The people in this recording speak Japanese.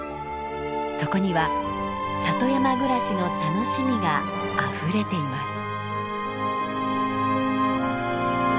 そこには里山暮らしの楽しみがあふれています。